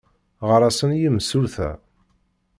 Ɣer-asen i yemsulta!